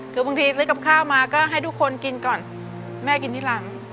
คือบางทีซื้อกับข้าวมาก็ให้ทุกคนกินก่อนแม่กินที่หลัง